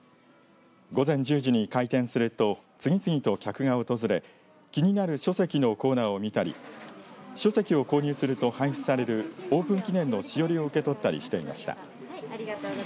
午前１０時に開店すると次々と客が訪れ気になる書籍のコーナーを見たり書籍を購入すると配布されるオープン記念のしおりを受け取ったりしていました。